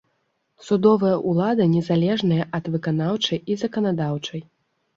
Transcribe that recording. Судовая ўлада незалежная ад выканаўчай і заканадаўчай.